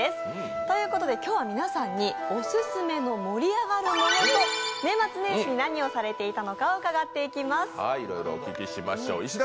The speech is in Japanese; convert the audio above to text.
ということで今日は皆さんにオススメの盛り上がるものと年末年始に何をされていたのか伺っていきます。